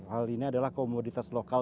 hal ini adalah komoditas lokal